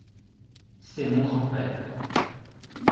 C’est mon grand-père.